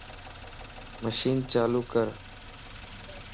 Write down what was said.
مشين چالو ڪر